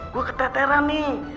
gue keteteran nih